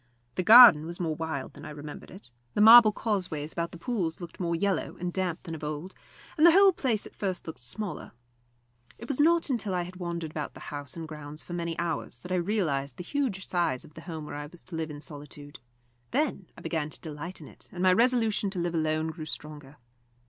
The garden was more wild than I remembered it; the marble causeways about the pools looked more yellow and damp than of old, and the whole place at first looked smaller. It was not until I had wandered about the house and grounds for many hours that I realised the huge size of the home where I was to live in solitude. Then I began to delight in it, and my resolution to live alone grew stronger.